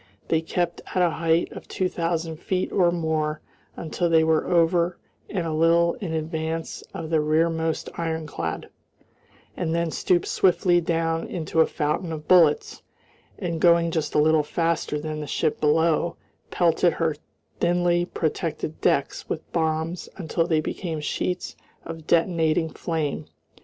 They kept at a height of two thousand feet or more until they were over and a little in advance of the rearmost ironclad, and then stooped swiftly down into a fountain of bullets, and going just a little faster than the ship below, pelted her thinly protected decks with bombs until they became sheets of detonating flame.